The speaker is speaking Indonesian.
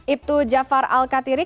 ibtu jafar al katiri